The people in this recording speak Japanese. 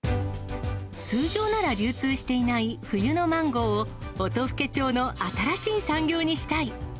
通常なら流通していない冬のマンゴーを、音更町の新しい産業にしたい。